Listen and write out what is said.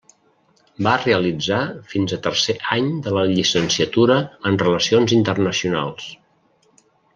Va realitzar fins a tercer any de la Llicenciatura en Relacions Internacionals.